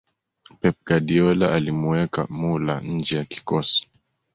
pep guardiola alimuweka muller nje ya kikosi